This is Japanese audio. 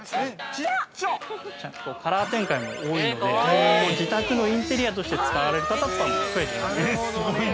カラー展開も多いので自宅のインテリアとして使われる方も増えています。